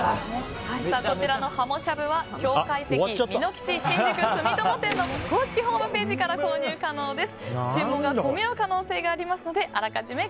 こちらの鱧しゃぶは京懐石みのきち新宿住友店の公式ホームページから購入可能です。